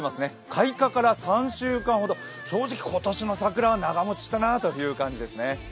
開花から３週間ほど、正直、今年の桜は長もちしたなという感じですね。